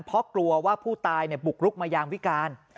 เพราะกลัวว่าผู้ตายบุกรุกมายามวิการ